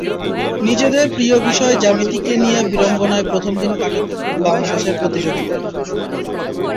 নিজেদের প্রিয় বিষয় জ্যামিতিকে নিয়ে বিড়ম্বনায় প্রথম দিন কাটাতে হলো বাংলাদেশের প্রতিযোগীদের।